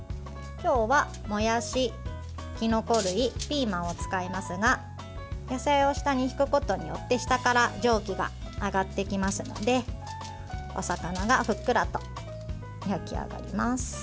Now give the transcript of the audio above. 今日は、もやし、きのこ類ピーマンを使いますが野菜を下に敷くことによって下から蒸気が上がってきますのでお魚がふっくらと焼き上がります。